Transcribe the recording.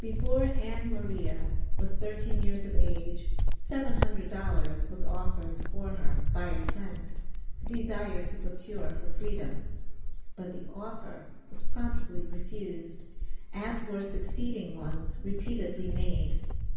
Before Ann Maria was thirteen years of age $700 was offered for her by a friend, who desired to procure her freedom, but the offer was promptly refused, as were succeeding ones repeatedly made.